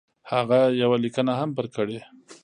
هغه یوه لیکنه هم پر کړې.